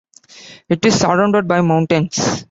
It is surrounded by mountains.